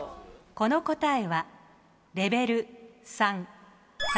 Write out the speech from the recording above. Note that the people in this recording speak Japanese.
この答えはレベル３。